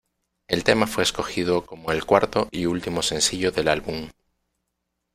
El tema fue escogido como el cuarto y último sencillo del álbum.